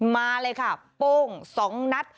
มาเลยค่ะปุ้งสองนัด